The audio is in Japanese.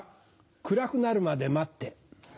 暗くなるまで待って。